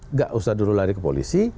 nggak usah dulu lari ke polisi